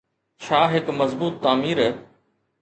ڇا هڪ مضبوط تعمير.